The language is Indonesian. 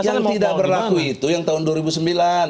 yang tidak berlaku itu yang tahun dua ribu sembilan